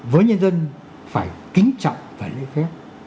với nhân dân phải kính trọng phải lấy phép